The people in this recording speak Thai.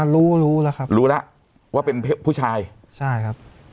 รู้รู้แล้วครับรู้แล้วว่าเป็นผู้ชายใช่ครับ